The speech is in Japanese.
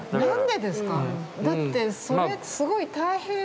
だってそれすごい大変。